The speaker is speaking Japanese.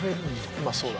うまそうだ